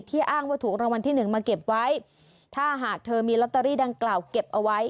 อ้างว่าถูกรางวัลที่หนึ่งมาเก็บไว้ถ้าหากเธอมีลอตเตอรี่ดังกล่าวเก็บเอาไว้